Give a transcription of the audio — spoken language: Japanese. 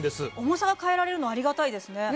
重さが変えられるのありがたいですね